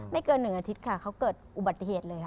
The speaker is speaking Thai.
เกิน๑อาทิตย์ค่ะเขาเกิดอุบัติเหตุเลยค่ะ